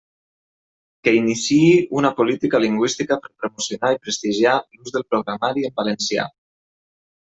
Que iniciï una política lingüística per promocionar i prestigiar l'ús del programari en valencià.